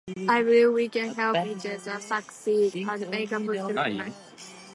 I believe we can help each other succeed and make a positive impact.